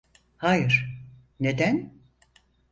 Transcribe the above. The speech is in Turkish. Hayır, neden?